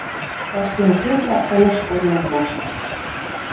Ӓштен колта ӹлӹш корным вашт.